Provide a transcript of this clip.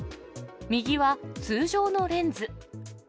右は通常のレンズ。